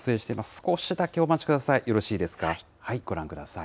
少しだけお待ちください。